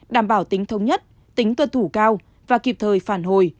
đảm bảo tính thông nhất tính tuân thủ cao và kịp thời phản hồi